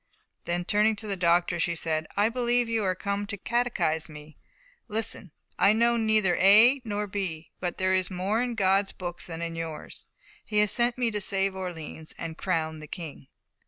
Then turning to the doctors, she said, "I believe you are come to catechise me. Listen! I know neither A nor B, but there is more in God's books than in yours. He has sent me to save Orleans and crown the King."